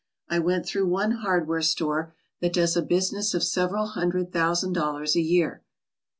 I went through one hardware store that does a business of several hundred thousand dollars a year.